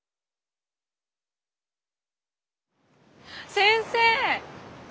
先生！